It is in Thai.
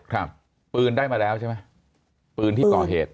ครับปืนได้มาแล้วใช่ไหมปืนที่ก่อเหตุ